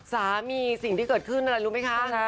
สิ่งที่เกิดขึ้นอะไรรู้ไหมคะ